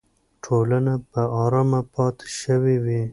ټولنه به ارامه پاتې شوې وي.